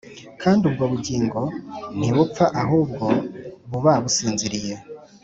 kandi ubwo (bugingo) ntibupfa (ahubwo) buba businziriye.